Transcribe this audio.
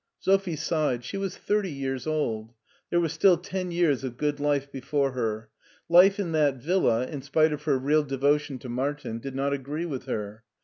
Sophie sighed. She was thirty years old. There were still ten years of good life before her. Life in that villa, in spite of her real devotion to Martin, did not agree with her.